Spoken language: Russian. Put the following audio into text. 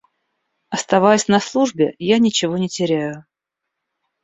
Оставаясь на службе, я ничего не теряю.